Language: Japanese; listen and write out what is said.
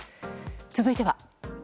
続いては。